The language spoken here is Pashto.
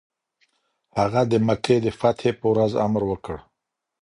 هغه د مکې د فتحې پر ورځ امر وکړ.